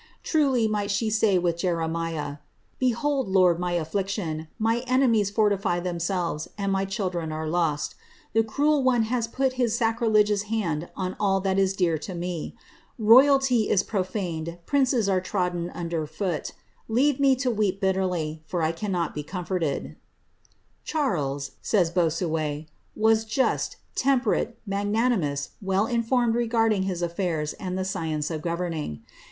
Truly mi)^ she say with Jeremiah, ' BtdioM, Li>rd. my allliciion ; my enemies fonify them selves, and my children are lost The cruel one has put his sacrilegious haod on all that is most dear to int*. Royalty is profaned, princes arc trodden under fixil. Leave me to weep bitterly, for 1 cannot Ik» comfortetl.' *•• Charles,' says Bossuet, '* was just, temperate, magnanimous, well iDformed regarding his ail'airs and the M ience of governing.